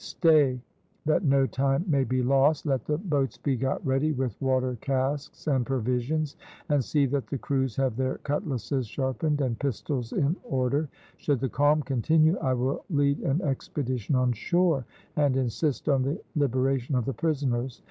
Stay. That no time may be lost, let the boats be got ready with water casks and provisions, and see that the crews have their cutlasses sharpened and pistols in order. Should the calm continue I will lead an expedition on shore, and insist on the liberation of the prisoners.